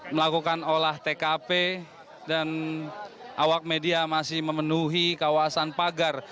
melakukan olah tkp dan awak media masih memenuhi kawasan pagar